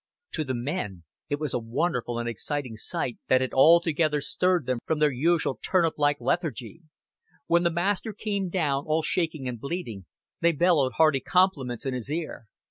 To the men it was a wonderful and exciting sight that had altogether stirred them from their usual turnip like lethargy. When the master came down, all shaking and bleeding, they bellowed hearty compliments in his ear.